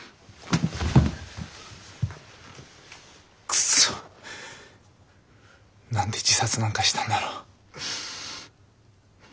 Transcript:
クソッ何で自殺なんかしたんだろう。